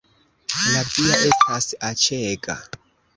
La via estas aĉega